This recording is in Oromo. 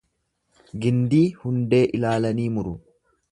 Gindii hundee laalanii muru.